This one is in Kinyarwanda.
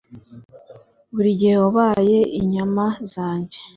buri gihe wabaye inyama zanjye.